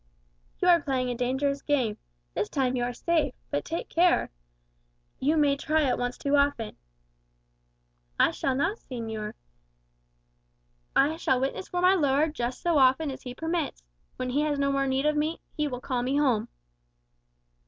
"You are playing a dangerous game. This time you are safe. But take care. You may try it once too often." "I shall not, señor. I shall witness for my Lord just so often as he permits. When he has no more need of me, he will call me home."